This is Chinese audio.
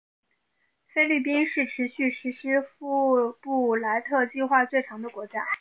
菲律宾是持续实施福布莱特计划最长的国家。